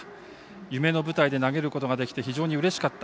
夢の舞台で投げることができて非常にうれしかった。